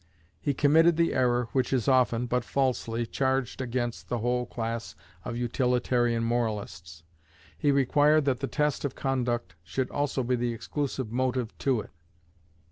He committed the error which is often, but falsely, charged against the whole class of utilitarian moralists; he required that the test of conduct should also be the exclusive motive to it.